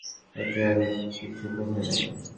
এতেই অনেক কিছু বোঝা যায়।